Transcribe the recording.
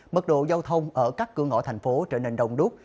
mật độ giao thông ở các cửa ngõ thành phố trở nên đông đúc